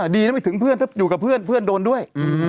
ดีนะไม่ถึงเพื่อนถ้าอยู่กับเพื่อนเพื่อนโดนด้วย